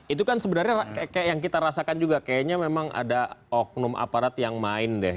itu kan sebenarnya yang kita rasakan juga kayaknya memang ada oknum aparat yang main deh